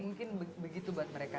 mungkin begitu buat mereka